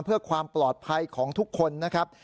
เพื่อความปลอดภัยของทุกคนนะครับ